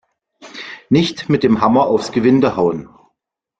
Nicht mit dem Hammer aufs Gewinde hauen!